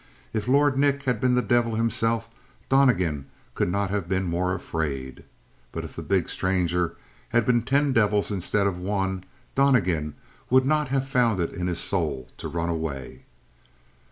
If Lord Nick had been the devil himself Donnegan could not have been more afraid. But if the big stranger had been ten devils instead of one Donnegan would not have found it in his soul to run away.